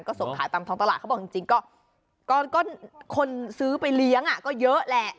ก็ส่งขายตามท้องตลาดเขาบอกจริงก็คนซื้อไปเลี้ยงก็เยอะแหละ